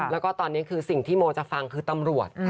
แล้วก็ตอนนี้คือสิ่งที่โมจะฟังคือตำรวจ